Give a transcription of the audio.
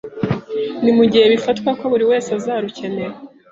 ni mu gihe bifatwa ko buri wese azarukenera